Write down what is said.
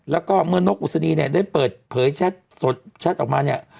แล้วก็เมื่อนกอุศนีเนี่ยได้เปิดเผยแชทออกมาเนี่ย